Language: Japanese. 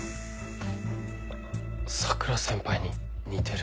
桜先輩に似てる。